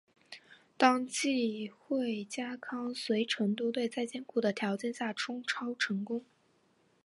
当季惠家康随成都队在艰苦的条件下冲超成功。